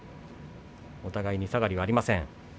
お互いに下がりはありません。